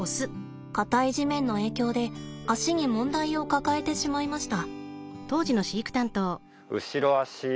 硬い地面の影響で足に問題を抱えてしまいました。